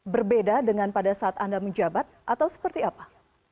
berbeda dengan pada saat anda menjabat atau seperti apa